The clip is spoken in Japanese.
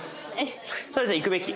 それじゃあ行くべき。